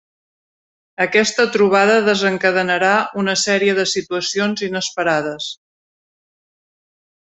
Aquesta trobada desencadenarà una sèrie de situacions inesperades.